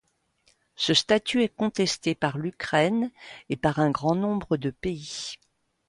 Ce statut est contesté par l'Ukraine et par un grand nombre de pays.